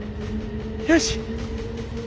よし。